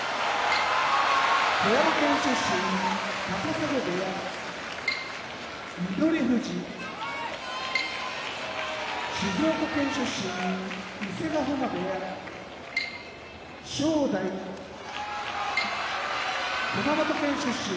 富山県出身高砂部屋翠富士静岡県出身伊勢ヶ濱部屋正代熊本県出身